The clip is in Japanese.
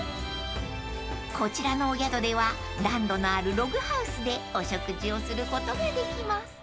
［こちらのお宿では暖炉のあるログハウスでお食事をすることができます］